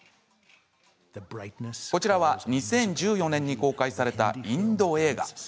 こちらは２０１４年に公開されたインド映画。